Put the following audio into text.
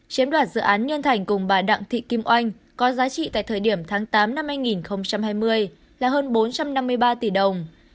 chiếm đoạt dự án nhân thành cùng bà đặng thị kim oanh có giá trị tại thời điểm tháng tám năm hai nghìn hai mươi là hơn bốn trăm năm mươi ba tỷ đồng